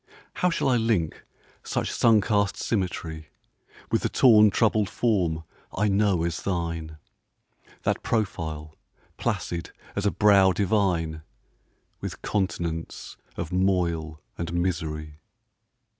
How shall I link such sun cast symmetry With the torn troubled form I know as thine, That profile, placid as a brow divine, With continents of moil and misery?